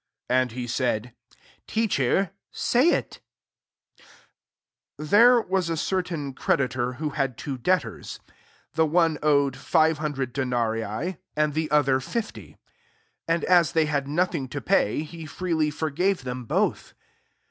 And he said, " Teacher, say it, 41 "There was a certain creditor who had two debtors : the one owed five hundred denarii, and 1£0 LUKE VIIL the other fifty. 42 [^rf,] as they had nothing to pay, he freely forgave them both.